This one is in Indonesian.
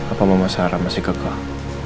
apa mama sarah masih gegah